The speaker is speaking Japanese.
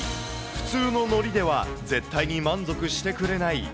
普通の海苔では絶対に満足してくれない。